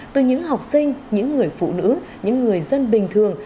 từ những học sinh những người phụ nữ những người dân bình thường